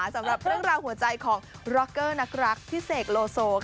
สำหรับเรื่องราวหัวใจของร็อกเกอร์นักรักพี่เสกโลโซ